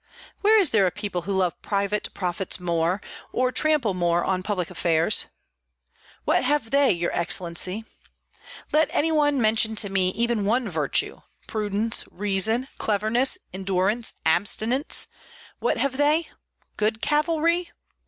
Where is there a people who love private profits more, or trample more on public affairs? What have they, your excellency? Let any one mention to me even one virtue, prudence, reason, cleverness, endurance, abstinence. What have they? Good cavalry?